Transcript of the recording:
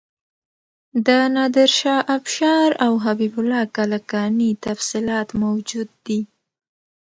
د نادر شاه افشار او حبیب الله کلکاني تفصیلات موجود دي.